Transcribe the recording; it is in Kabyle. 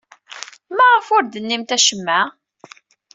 Maɣef ur d-tennimt acemma?